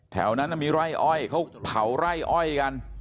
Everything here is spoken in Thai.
แถวนั้นมีไร่อ้อยเขาเผาไร่อ้อยกัน